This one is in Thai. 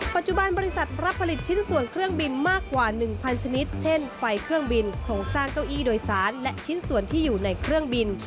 ปัจจุบันบริษัทรับผลิตชิ้นส่วนเครื่องบินมากกว่า๑๐๐ชนิดเช่นไฟเครื่องบินโครงสร้างเก้าอี้โดยสารและชิ้นส่วนที่อยู่ในเครื่องบิน